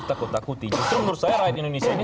takut takuti justru menurut saya rakyat indonesia ini